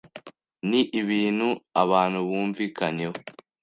Ni ibintu abantu bumvikanyeho